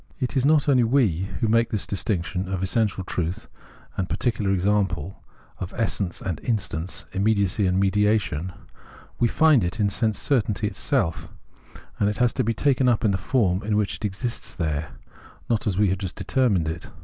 It is not only we who make this distinction of essential truth and particular example, of essence and instance, immediacy and mediation ; we find it in sense certainty itself, and it has to be taken up in the form in which it exists there, not as we have just determined it.